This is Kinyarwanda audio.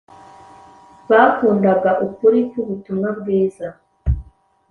bakundaga ukuri k’ubutumwa bwiza,